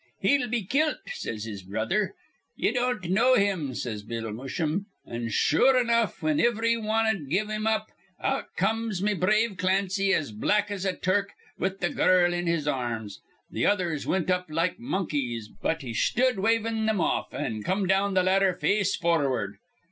'He'll be kilt,' says his brother. 'Ye don't know him,' says Bill Musham. An' sure enough, whin ivry wan'd give him up, out comes me brave Clancy, as black as a Turk, with th' girl in his arms. Th' others wint up like monkeys, but he shtud wavin' thim off, an' come down th' ladder face forward.